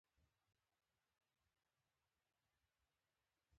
ښکاري د یو ځل تېروتنې بښنه نه کوي.